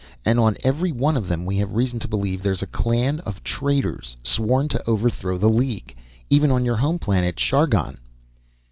And on every one of them we have reason to believe there's a clan of traitors sworn to overthrow the League. Even on your home planet Chargon."